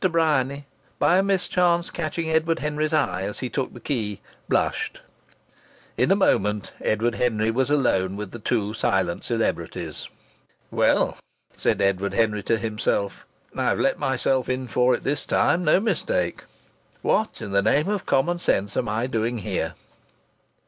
Bryany, by a mischance catching Edward Henry's eye as he took the key, blushed. In a moment Edward Henry was alone with the two silent celebrities. "Well," said Edward Henry to himself, "I've let myself in for it this time no mistake! What in the name of common sense am I doing here?"